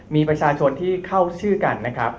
มีประชาชนที่เข้าชื่อกันนะครับ